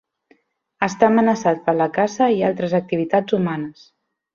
Està amenaçat per la caça i altres activitats humanes.